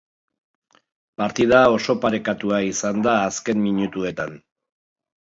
Partida oso parekatua izan da azken minutuetan.